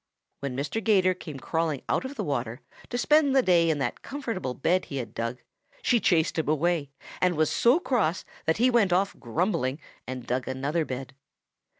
When Mr. 'Gator came crawling out of the water to spend the day in that comfortable bed he had dug, she chased him away and was so cross that he went off grumbling and dug another bed.